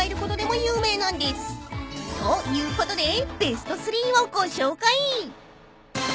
［ということでベスト３をご紹介］